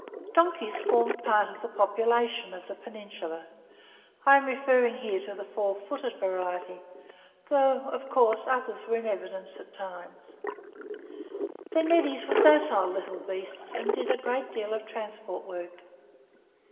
Donkeys formed part of the population of the Peninsula. I am referring here to the four footed variety, though, of course, others were in evidence at times. The Neddies were docile little beasts, and did a great deal of transport work.